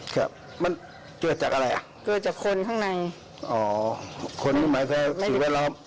ครับมันเกิดจากอะไรอ่ะเกิดจากคนข้างในอ๋อคนหมายแต่สิ่งแวดล้อม